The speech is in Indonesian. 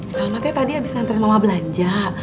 salmatnya tadi abis ngantri mama belanja